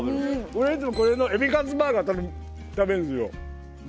俺いつもこれの海老カツバーガー食べるんですよ